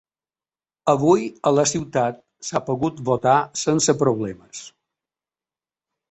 Avui a la ciutat s’ha pogut votar sense problemes.